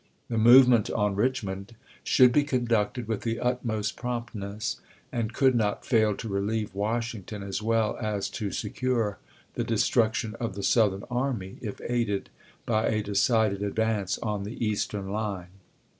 The movement on Richmond should be conducted with the utmost promptness, and could not fail to relieve Washington as well as to secure the destruction of the Southern army if aided by a decided advance on the eastern line.